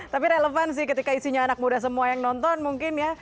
tapi relevan sih ketika isinya anak muda semua yang nonton mungkin ya